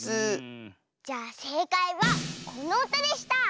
じゃあせいかいはこのうたでした。